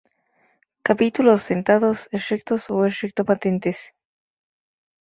Capítulos sentados, erectos o erecto-patentes.